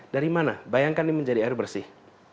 dari mana bayangkan ini menjadi air bersih